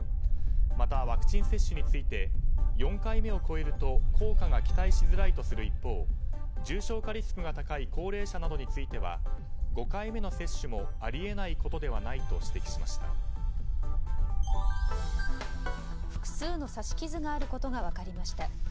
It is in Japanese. またワクチン接種について４回目を超えると効果が期待しづらいとする一方重症化リスクが高い高齢者などについては５回目の接種もあり得ないことではないと複数の刺し傷があることが分かりました。